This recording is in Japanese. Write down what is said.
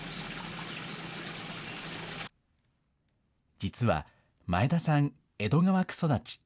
実は、前田さん、江戸川区育ち。